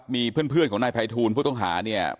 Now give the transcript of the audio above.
มีเพื่อนของหน้าไพทูลผู้ต้องหา